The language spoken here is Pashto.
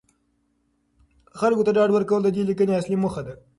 خلکو ته ډاډ ورکول د دې لیکنې اصلي موخه ده.